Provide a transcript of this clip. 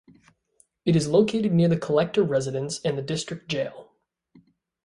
It is located near the collector residence and the district jail.